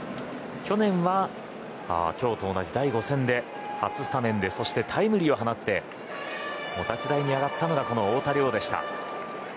去年は今日と同じ第５戦で初スタメンそして、タイムリーを放ってお立ち台に上がったのが太田椋でした。